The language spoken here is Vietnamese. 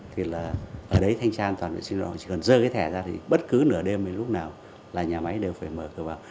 thì là ở đấy thanh tra an toàn lao động chỉ cần rơ cái thẻ ra thì bất cứ nửa đêm hay lúc nào là nhà máy đều phải mở cửa vào